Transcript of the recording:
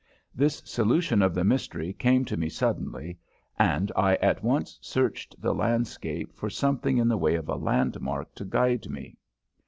This solution of the mystery came to me suddenly, and I at once searched the landscape for something in the way of a landmark to guide me.